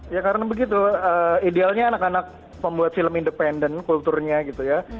ya karena begitu idealnya anak anak membuat film independen kulturnya gitu ya